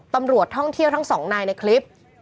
ตำรวจท่องเที่ยวทั้งสองนายในคลิป